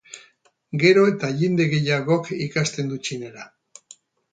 Gero eta jende gehiagok ikasten du txinera.